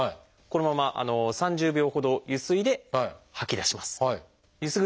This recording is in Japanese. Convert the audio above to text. このまま３０秒ほどゆすいで吐き出します。